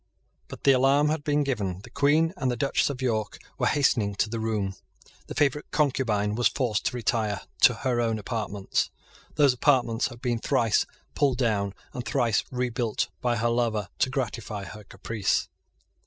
But the alarm had been given. The Queen and the Duchess of York were hastening to the room. The favourite concubine was forced to retire to her own apartments. Those apartments had been thrice pulled down and thrice rebuilt by her lover to gratify her caprice.